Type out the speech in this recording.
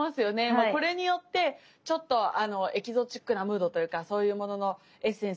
まあこれによってちょっとあのエキゾチックなムードというかそういうもののエッセンスになると思います。